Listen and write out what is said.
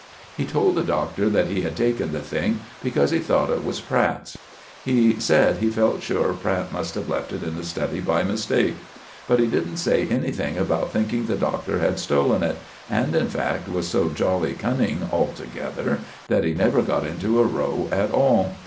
He told the Doctor that he had taken the thing, because he thought it was Pratt's. He said he felt sure Pratt must have left it in the study by mistake. But he didn't say anything about thinking the Doctor had stolen it, and, in fact, was so jolly cunning altogether that he never got into a row at all.